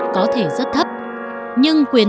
có thể rất thấp nhưng quyền